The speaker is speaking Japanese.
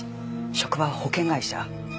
職場は保険会社。